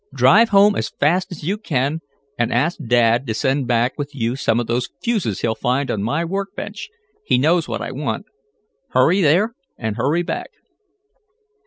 "Drive home as fast as you can, and ask Dad to send back with you some of those fuses he'll find on my work bench. He knows what I want. Hurry there and hurry back."